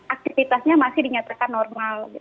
aktivitasnya masih dinyatakan normal